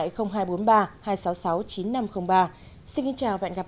xin kính chào và hẹn gặp lại quý vị và các bạn trong các chương trình lần sau